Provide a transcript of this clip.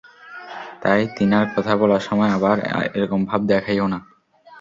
তাই তিনার কথা বলার সময় আবার এরকম ভাব দেখাইও না।